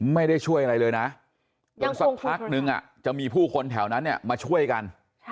ไม่ได้ช่วยอะไรเลยนะจนสักพักนึงจะมีผู้คนแถวนั้นมาช่วยกัน